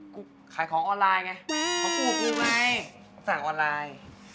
ขายของออนไลน์ไงของกูไงสั่งออนไลน์